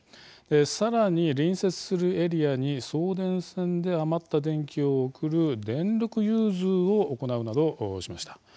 さらに隣接するエリアに送電線で余った電気を送る電力融通を行うなどしました。